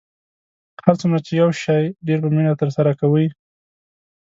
هر څومره چې یو شی ډیر په مینه ترسره کوئ